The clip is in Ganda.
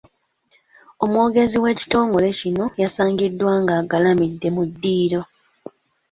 Omwogezi w'ekitongole kino yasangiddwa ng’agalimidde mu ddiiro.